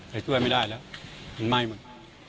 ใครช่วยไม่ได้แล้วมันไหม้มัน